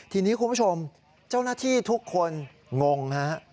ทีนี้คุณผู้ชมเจ้าหน้าที่ทุกคนงงฮะ